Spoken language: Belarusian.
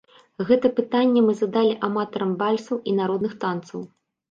Гэта пытанне мы задалі аматарам вальсаў і народных танцаў.